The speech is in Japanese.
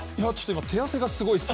手汗がすごいです。